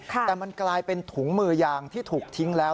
แต่มันกลายเป็นถุงมือยางที่ถูกทิ้งแล้ว